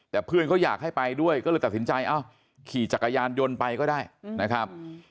แต่เพื่อนเขาอยากให้ไปด้วยก็เลยตัดสินใจเอ้าขี่จักรยานยนต์ไปก็ได้นะครับ